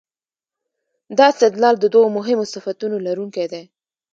دا استدلال د دوو مهمو صفتونو لرونکی دی.